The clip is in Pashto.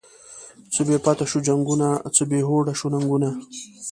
څه بی پته شوو جنگونه، څه بی هوډه شوو ننگونه